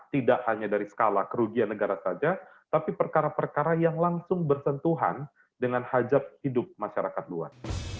tidak hanya dari skala kerugian negara saja tapi perkara perkara yang langsung bersentuhan dengan hajat hidup masyarakat luar